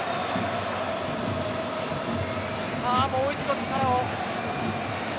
もう一度、力を。